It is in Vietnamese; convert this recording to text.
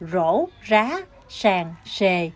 rổ rá sàn sề